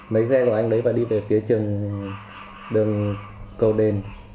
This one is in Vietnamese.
lấy xe của anh đấy và đi về phía trường đường cầu đền